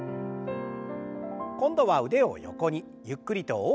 今度は腕を横にゆっくりと大きく。